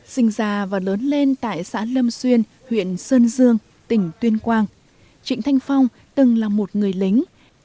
sinh già và lớn lên tại xã lâm xuyên huyện sơn dương tỉnh tuyên quang trịnh thanh phong từng là một người lính